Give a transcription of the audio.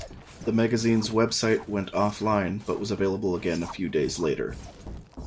The magazine's website went offline but was available again a few days later.